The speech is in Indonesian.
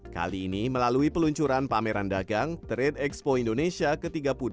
kali ini melalui peluncuran pameran dagang trade expo indonesia ke tiga puluh delapan